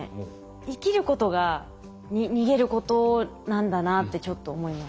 生きることが逃げることなんだなってちょっと思いました。